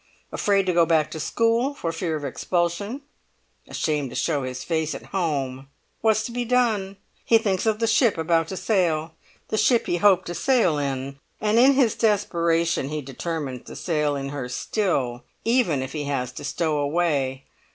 Afraid to go back to school for fear of expulsion, ashamed to show his face at home! What's to be done? He thinks of the ship about to sail, the ship he hoped to sail in, and in his desperation he determines to sail in her still—even if he has to stow away!"